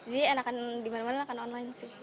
jadi enakan dimana mana enakan online sih